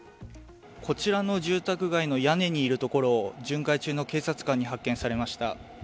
こちらの住宅街の屋根にいるところを巡回中の警察官に発見されました。